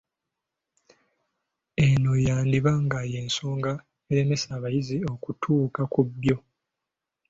Eno yandiba nga y’ensonga eremesa abayizi okutuuka ku ebyo